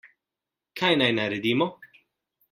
Kaj naj naredimo?